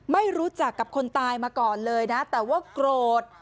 ไม่รู้จักกับคนตายมาก่อนเลยนะแต่ว่าโกรธ